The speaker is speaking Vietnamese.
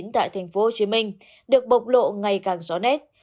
tại tp hcm được bộc lộ ngày càng rõ nét